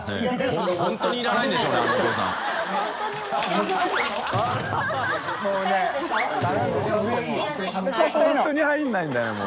本当に入らないんだね